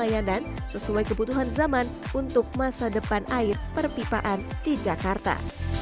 dan terus mengembangkan layanan sesuai kebutuhan zaman untuk masa depan air perpipaan di jakarta